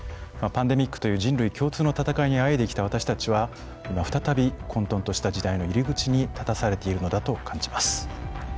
パンデミックという人類共通の闘いにあえいできた私たちは今再び混とんとした時代の入り口に立たされているのだと感じます。